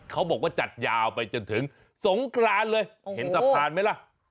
เขาบอกว่าจัดยาวไปจนถึงสงกรานเลยเห็นสะพานไหมล่ะ